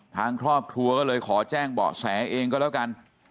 ทางครอบครัวก็เลยขอแจ้งเบาะแสเองก็แล้วกัน